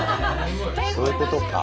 そういうことか。